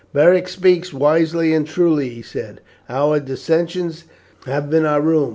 "Beric speaks wisely and truly," he said; "our dissensions have been our ruin.